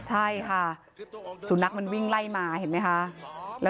ใช่ค่ะสุณักวิ่งไล่มาเห็นมั้ยคะ